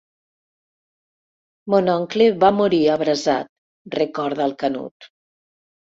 Mon oncle va morir abrasat, recorda el Canut.